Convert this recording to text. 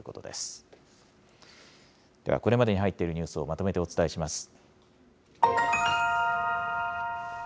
では、これまでに入っているニュースをまとめてお伝えします。